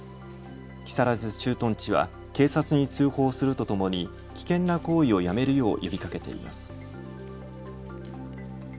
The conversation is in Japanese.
木更津駐屯地は警察に通報するとともに危険な行為をやめるよう呼びかけています。